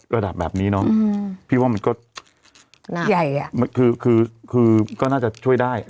ระดับแบบนี้เนาะพี่ว่ามันก็ใหญ่อ่ะคือคือก็น่าจะช่วยได้